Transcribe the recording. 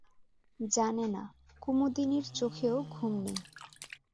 জানে না, কুমুদিনীর চোখেও ঘুম নেই।